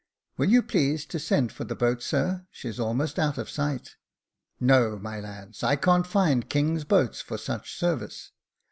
'' Will you please to send for the boat, sir ? she's almost out of sight." " No, my lads, I can't find king's boats for such service."